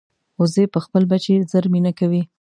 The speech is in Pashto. وزې پر خپل بچي ژر مینه کوي